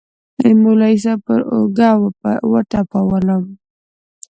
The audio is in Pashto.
مولوي صاحب پر اوږه وټپولوم.